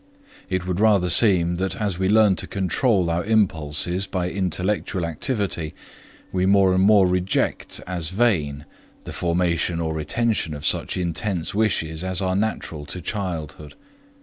It would rather seem that as we learn to control our impulses by intellectual activity, we more and more reject as vain the formation or retention of such intense wishes as are natural to childhood.